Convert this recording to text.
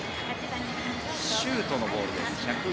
シュートのボールです。